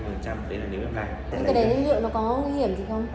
nhưng cái này lưu lượng nó có nguy hiểm gì không